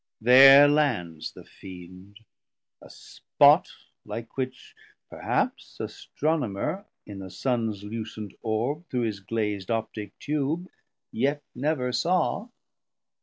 There lands the Fiend, a spot like which perhaps Astronomer in the Sun's lucent Orbe Through his glaz'd Optic Tube yet never saw.